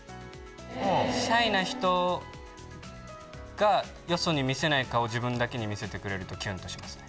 シャイな人が、よそに見せない顔を自分だけに見せてくれると、キュンとしますね。